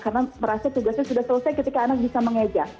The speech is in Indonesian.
karena merasa tugasnya sudah selesai ketika anak bisa mengejak